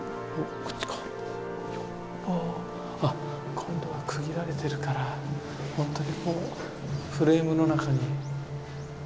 今度は区切られてるからほんとにこうフレームの中に。